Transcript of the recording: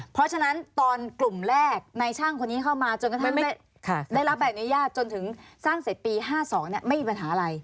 เพราะฉะนั้นตอนกลุ่มแรกในช่างคนนี้เข้ามาจนกระทั่งได้รับใบอนุญาตจนถึงสร้างเสร็จปี๕๒ไม่มีปัญหาอะไร